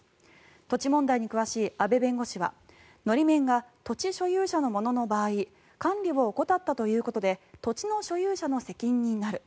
土地問題に詳しい阿部弁護士は法面が土地所有者のものの場合管理を怠ったということで土地の所有者の責任になる。